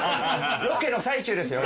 ロケの最中ですよ